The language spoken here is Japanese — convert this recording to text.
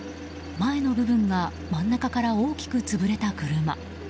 前の部分が真ん中から大きく潰れた車。